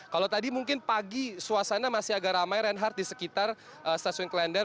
kalau tadi mungkin pagi suasana masih agak ramai reinhardt di sekitar stasiun klender